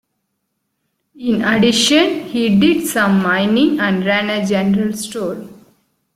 In addition, he did some mining and ran a general store.